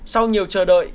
sau nhiều chờ đợi